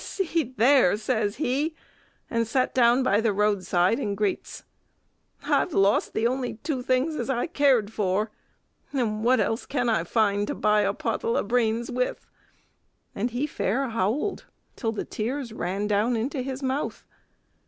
"See there!" says he, and set down by the road side and greets. "I've lost the only two things as I cared for, and what else can I find to buy a pottle o' brains with!" and he fair howled, till the tears ran down into his mouth.